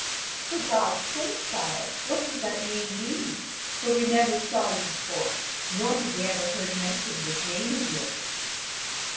"For God's sake, sir, what does that name mean? For we never saw you before, nor have we ever heard mentioned this name of yours."